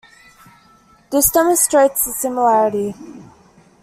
This demonstrates the similarity.